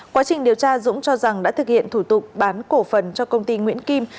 quá trình điều tra dũng cho rằng đã thực hiện thủ tục bán cổ phần cho công ty nguyễn kim